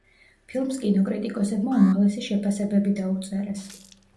ფილმს კინოკრიტიკოსებმა უმაღლესი შეფასებები დაუწერეს.